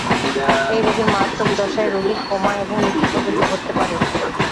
এই রোগের মারাত্মক দশায় রোগীর কোমা এবং মৃত্যু পর্যন্ত ঘটতে পারে।